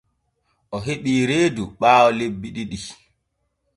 O heɓi reedu ɓaawo lebbi ɗiɗi.